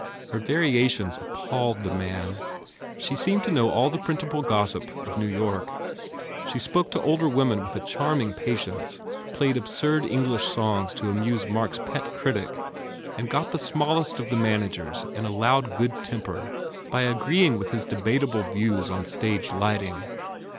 Her variations appalled the man. She seemed to know all the printable gossip of New York. She spoke to older women with a charm ing patience, played absurd English songs to amuse Mark s pet critic and got the smallest of the managers in a loud good temper by agreeing with his debatable views on stage lighting.